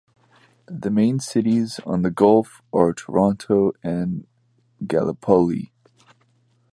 The main cities on the gulf are Taranto and Gallipoli.